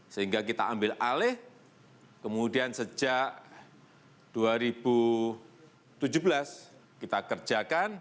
sehingga kita ambil alih kemudian sejak dua ribu tujuh belas kita kerjakan